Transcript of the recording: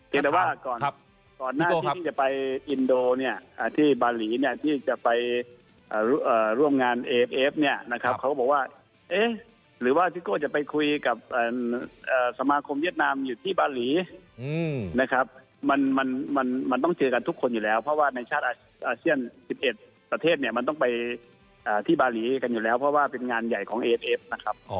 แต่ว่าก่อนหน้าที่ที่จะไปอินโดเนี่ยที่บาลีเนี่ยที่จะไปร่วมงานเอฟเอฟเนี่ยนะครับเขาก็บอกว่าเอ๊ะหรือว่าซิโก้จะไปคุยกับสมาคมเวียดนามอยู่ที่บาลีนะครับมันต้องเจอกันทุกคนอยู่แล้วเพราะว่าในชาติอาเซียน๑๑ประเทศเนี่ยมันต้องไปที่บาลีกันอยู่แล้วเพราะว่าเป็นงานใหญ่ของเอเอฟนะครับ